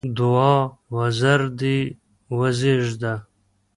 دوعا: وزر دې وزېږده!